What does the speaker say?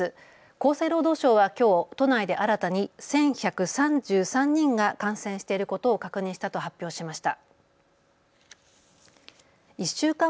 厚生労働省はきょう都内で新たに１１３３人が感染していることを確認したと発表しました。